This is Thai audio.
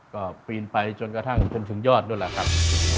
ก็ปีนไปจนกระทั่งจนถึงยอดด้วยแหละครับ